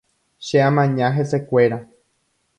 Che amaña hesekuéra.